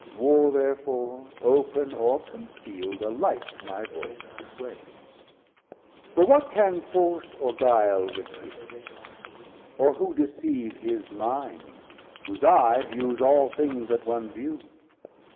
Warr therefore, open or conceal'd, alike My voice disswades; for what can force or guile With him, or who deceive his mind, whose eye Views all things at one view?